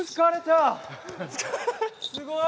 すごい！